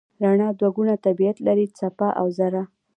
رڼا دوه ګونه طبیعت لري: څپه او ذره.